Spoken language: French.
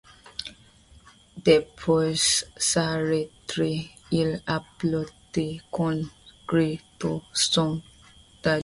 Depuis sa retraite, il a plutôt consacré tout son temps à la traduction.